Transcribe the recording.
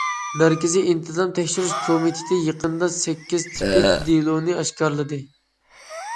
مەركىزىي ئىنتىزام تەكشۈرۈش كومىتېتى يېقىندا سەككىز تىپىك دېلونى ئاشكارىلىدى.